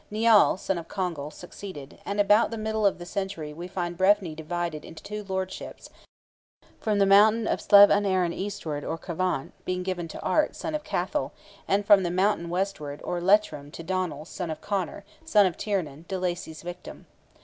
Nial, son of Congal, succeeded, and about the middle of the century we find Breffni divided into two lordships, from the mountain of Slieve an eiran eastward, or Cavan, being given to Art, son of Cathal, and from the mountain westward, or Leitrim, to Donnell, son of Conor, son of Tiernan, de Lacy's victim.